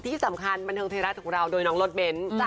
ที่สำคัญบันทึงเทราะย์ของเราโดยน้องรถเบ้น